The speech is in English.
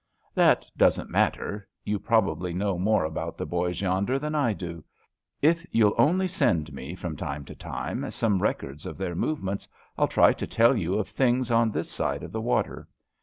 That doesn't matter. You probably know more about the boys yonder than I do. If you'll only send me from time to time some records of their movements I'll try to tell you of things on this side of the water.